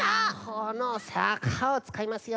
このさかをつかいますよ！